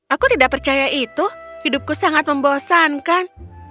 aku tidak percaya itu hidupku sangat membosankan